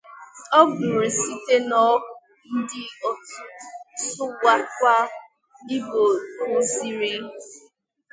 ọ bụrụ site n'ọnụ ndị Otu Sụwakwa Igbo kuziiri.